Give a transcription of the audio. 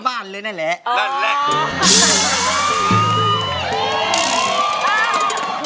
สังกษีทำรั่ว